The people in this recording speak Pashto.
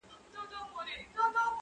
ځان یې ښکلی تر طاووس ورته ښکاره سو-